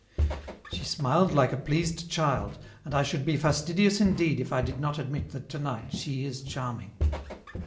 She smiled like a pleased child, and I should be fastidious indeed if I did not admit that to night she is charming.